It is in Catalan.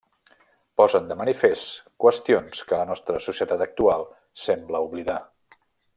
Posen de manifest qüestions que la nostra societat actual sembla oblidar.